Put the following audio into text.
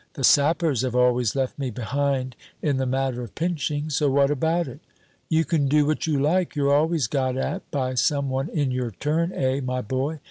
The sappers have always left me behind in the matter of pinching; so what about it?" "You can do what you like, you're always got at by some one in your turn, eh, my boy?